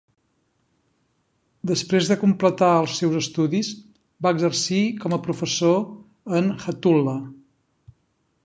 Després de completar els seus estudis, va exercir com a professor en Hattula.